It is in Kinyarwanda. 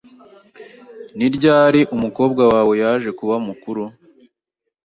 Ni ryari umukobwa wawe yaje kuba mukuru?